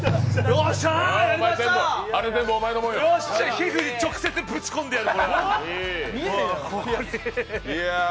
皮膚に直接ぶちこんでやる。